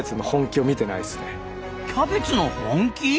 キャベツの本気？